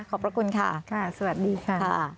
ขอบประกูลค่ะค่ะสวัสดีค่ะใช่ครับสวัสดีค่ะ